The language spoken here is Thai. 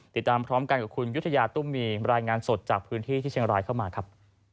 ติดตามพร้อมกันกับคุณยุธยาตุ้มมีรายงานสดจากพื้นที่ที่เชียงรายเข้ามาครับ